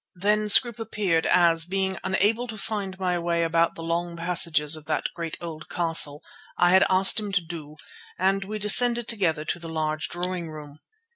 Then Scroope appeared, as, being unable to find my way about the long passages of that great old castle, I had asked him to do, and we descended together to the large drawing room.